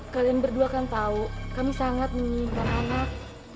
kalian berdua kan tahu kami sangat menginginkan anak